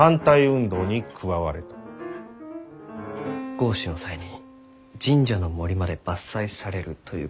合祀の際に神社の森まで伐採されるということでしょうか？